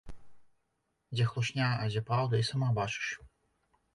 Дзе хлусня, а дзе праўда і сама бачыш.